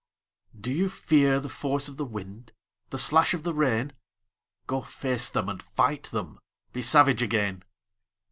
DO you fear the force of the wind, The slash of the rain? Go face them and fight them, Be savage again.